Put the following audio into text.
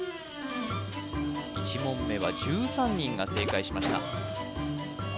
１問目は１３人が正解しましたあ